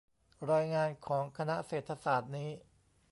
รายงานของคณะเศรษฐศาสตร์นี้